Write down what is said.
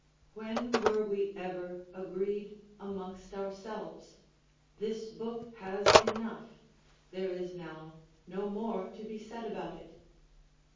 When were we ever agreed amongst ourselves: "This book has enough; there is now no more to be said about it"?